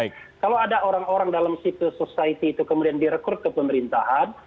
kalau ada orang orang dalam civil society itu kemudian direkrut ke pemerintahan